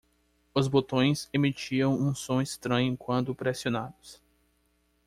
Os botões emitiam um som estranho quando pressionados.